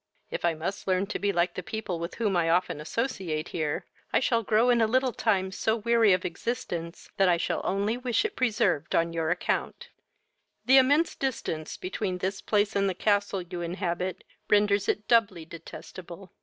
If I must learn to be like the people with whom I often associate here, I shall grow in a little time so weary of existence, that I shall only wish it preserved on your account. The immense distance between this place and the castle you inhabit renders it doubly detestable.